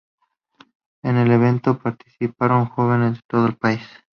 En el evento participaron jóvenes de todo el país.